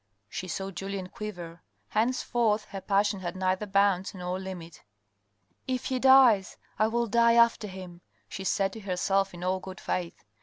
She saw Julien quiver. Henceforth her passion had neither bounds nor limit. " If he dies, I will die after him," she said to herself in all good faith.